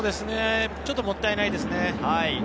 ちょっともったいないですね。